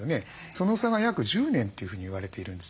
その差が約１０年というふうに言われているんですね。